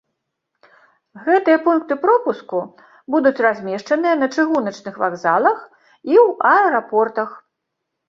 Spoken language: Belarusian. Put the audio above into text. Гэтыя пункты пропуску будуць размешчаныя на чыгуначных вакзалах і ў аэрапортах.